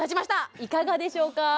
いかがでしょうか？